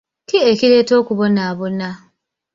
Ki ekireeta okubonaabona?